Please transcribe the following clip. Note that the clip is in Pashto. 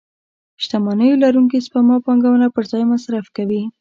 شتمنيو لرونکي سپما پانګونه پر ځای مصرف کوي.